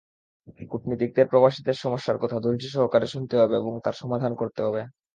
কূটনীতিকদের প্রবাসীদের সমস্যার কথা ধৈর্যসহকারে শুনতে হবে এবং তার সমাধান করতে হবে।